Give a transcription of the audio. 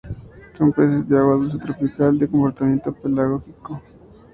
Son peces de agua dulce tropical, de comportamiento pelágico.